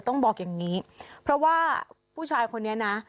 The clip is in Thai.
ต้องบอกอย่างนี้เพราะว่าผู้ชายคนนี้นะ